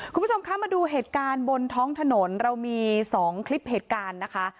คุณผู้ชมคะมาดูเหตุการณ์บนท้องถนนเรามี๒คลิปเหตุการณ์นะคะ